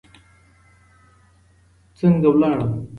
څرنګه ولاړم